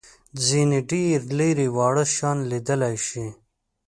ځینې ډېر لېري واړه شیان لیدلای شي.